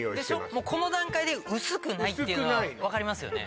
もうこの段階で薄くないっていうのは分かりますよね